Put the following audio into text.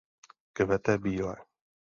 Kvete bíle.